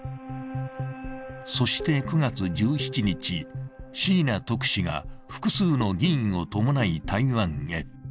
そして、９月１７日、椎名特使が複数の議員を伴い台湾へ。